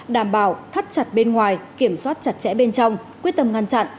đảm bảo thắt chặt bên ngoài kiểm soát chặt chẽ bên trong quyết tâm ngăn chặn